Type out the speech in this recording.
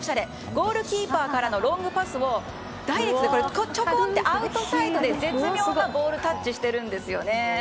ゴールキーパーからのロングパスをダイレクトでアウトサイドで絶妙にボールタッチしてるんです。